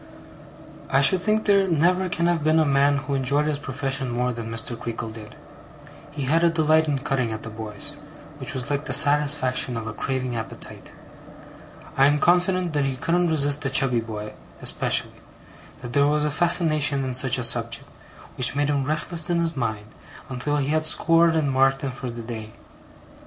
I should think there never can have been a man who enjoyed his profession more than Mr. Creakle did. He had a delight in cutting at the boys, which was like the satisfaction of a craving appetite. I am confident that he couldn't resist a chubby boy, especially; that there was a fascination in such a subject, which made him restless in his mind, until he had scored and marked him for the day.